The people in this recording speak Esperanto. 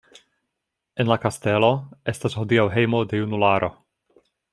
En la kastelo estas hodiaŭ hejmo de junularo.